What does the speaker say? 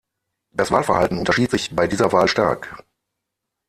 Das Wahlverhalten unterschied sich bei dieser Wahl stark.